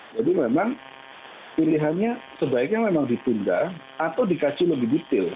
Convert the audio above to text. jadi memang pilihannya sebaiknya memang ditunda atau dikasih lebih detail